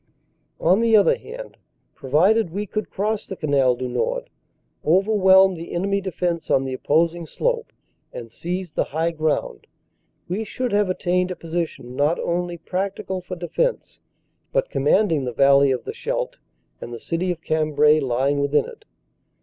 On the other hand, provided we could cross the Canal du Nord, overwhelm the enemy defense on the opposing slope and seize the high ground, we should have attained a position not only practical for defense but commanding the valley of the Scheldt and the city of Cambrai lying within it.